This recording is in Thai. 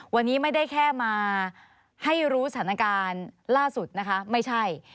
วันนี้ไม่ได้แค่มาให้รู้สถานการณ์ล่าสุดนะคะไม่ใช่